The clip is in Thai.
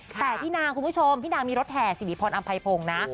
แต่พี่นางคุณผู้ชมพี่นางมีรถแห่สิริพรอำไพพงศ์นะ